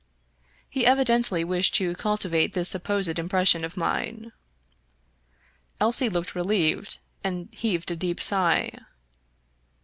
He evidently wished to cultivate this supposed impression of mine. Elsie looked relieved, and heaved a deep sigh.